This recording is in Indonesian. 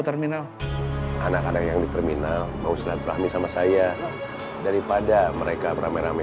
terminal anak anak yang di terminal mau silaturahmi sama saya daripada mereka beramai ramai